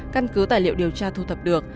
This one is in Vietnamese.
căn cứ tài liệu điều tra thu thập được